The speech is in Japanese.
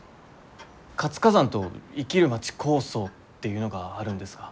活火山と生きる街構想っていうのがあるんですが。